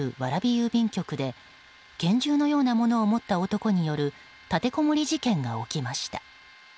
郵便局で拳銃のようなものを持った男による立てこもり事件が起きました。